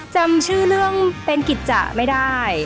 จำชื่อเรื่องเป็นกิจจะไม่ได้